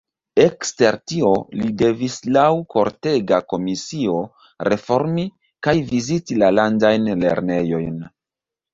Ekster tio li devis laŭ kortega komisio reformi kaj viziti la landajn lernejojn.